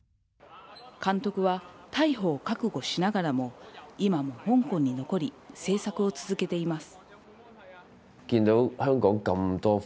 監督は、逮捕を覚悟しながらも、今も香港に残り、制作を続けています。